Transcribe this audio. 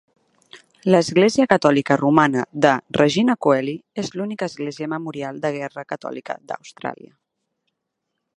L'església catòlica romana de Regina Coeli és l'única església memorial de guerra catòlica d'Austràlia.